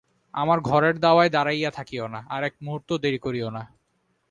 আমার ঘরের দাওয়ায় দাঁড়াইয়া থাকিয়ো না–আর এক মুহূর্তও দেরি করিয়ো না।